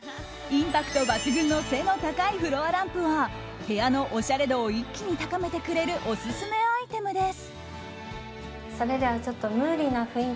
インパクト抜群の背の高いフロアランプは部屋のおしゃれ度を一気に高めてくれるオススメアイテムです。